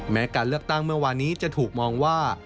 แม้การเลือกตั้งเมื่อวานนี้จะถูกมองว่า